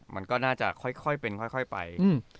มันก็น่าจะค่อยเป็นค่อยไป